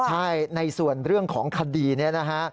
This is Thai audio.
ใช่ในส่วนเรื่องของคดีนี้นะฮะ